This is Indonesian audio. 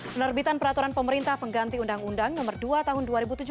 penerbitan peraturan pemerintah pengganti undang undang nomor dua tahun dua ribu tujuh belas